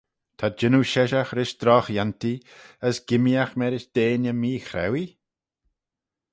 Ta jannoo sheshaght rish drogh-yantee, as gimmeeaght marish deiney mee-chrauee?